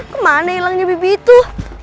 kemana ilangnya bibi itu